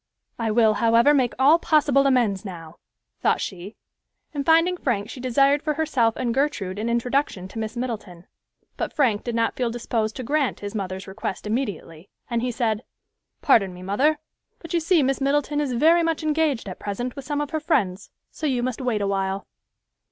"I will, however, make all possible amends now," thought she, and finding Frank she desired for herself and Gertrude an introduction to Miss Middleton; but Frank did not feel disposed to grant his mother's request immediately, and he said, "Pardon me, mother, but you see Miss Middleton is very much engaged at present with some of her friends, so you must wait awhile."